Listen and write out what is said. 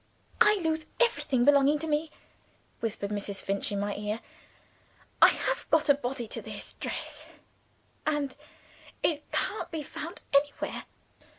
"I lose everything belonging to me," Mrs. Finch whispered in my ear. "I have got a body to this dress, and it can't be found anywhere."